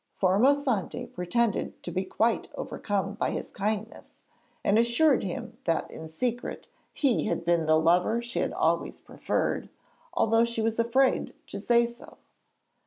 Formosante pretended to be quite overcome by his kindness, and assured him that in secret he had been the lover she had always preferred, although she was afraid to say so.